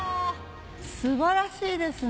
素晴らしいですね。